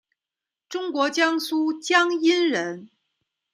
中国江苏江阴人。